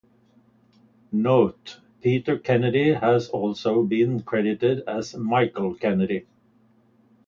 "Note: Peter Kennedy has also been credited as Michael Kennedy"